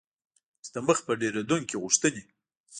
چې د مخ په ډیریدونکي غوښتنې